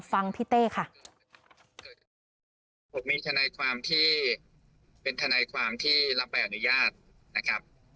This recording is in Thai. ฟังพี่เต้ค่ะผมมีทนายความที่เป็นทนายความที่รับใบอนุญาตนะครับ